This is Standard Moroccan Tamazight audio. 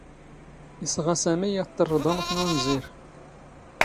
ⵉⵙⵖⴰ ⵙⴰⵎⵉ ⵢⴰⵜ ⵜⵕⵕⴹⵓⵎⵜ ⵏ ⵓⵏⵣⵉⵔ.